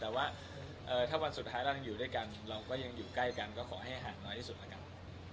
แต่ว่าถ้าวันสุดท้ายเรายังอยู่ด้วยกันเราก็ยังอยู่ใกล้กันก็ขอให้ห่างน้อยที่สุดแล้วกัน